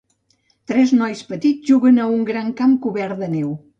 Tres nois petits juguen a un gran camp cobert de neu